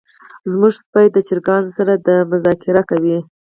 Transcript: زمونږ سپی د چرګانو سره مذاکره کوي.